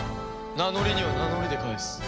名乗りには名乗りで返す。